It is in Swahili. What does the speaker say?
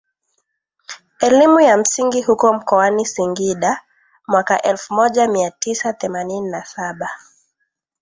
elimu ya msingi huko mkoani Singida mwaka elfu moja mia tisa themanini na saba